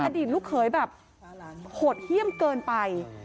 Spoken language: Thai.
อดีตลูกเขยแบบโหดเยี่ยมเกินไป